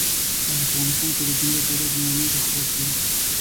په افغانستان کې د جمعې پر ورځ عمومي رخصت وي.